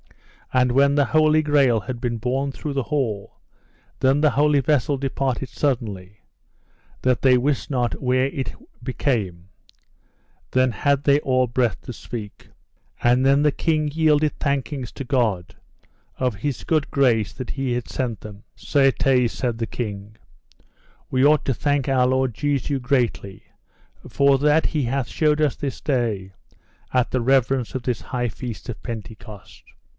And when the Holy Grail had been borne through the hall, then the holy vessel departed suddenly, that they wist not where it became: then had they all breath to speak. And then the king yielded thankings to God, of His good grace that he had sent them. Certes, said the king, we ought to thank our Lord Jesu greatly for that he hath shewed us this day, at the reverence of this high feast of Pentecost.